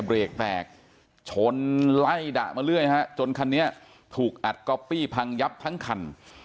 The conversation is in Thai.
เบรกแตกชนไล่ดะมาเรื่อยฮะจนคันนี้ถูกอัดก๊อปปี้พังยับทั้งคัน